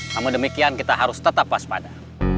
namun demikian kita harus tetap waspada